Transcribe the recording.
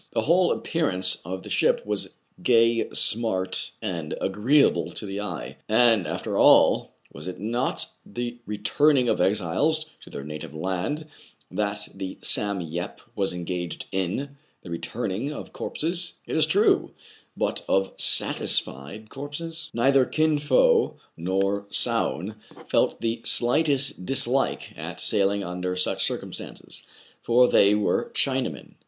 The whole appearance of the ship was gcty, smart, and agree able to the eye. And, after all, was it not the returning of exiles to their native land that the "Sam Yep "was engaged in, — the returning of corpses, it is true, but of satisfied corpses } Neither Kin Fo nor Soun felt the slightest dis like at sailing under such circumstances ; for they KÏN FO'S MARKET VALUE UNCERTAIN, 19 1 were Chinamen.